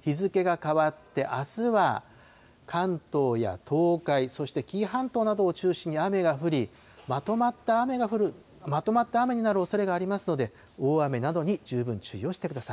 日付が変わってあすは関東や東海、そして紀伊半島などを中心に雨が降り、まとまった雨になるおそれがありますので、大雨などに十分注意をしてください。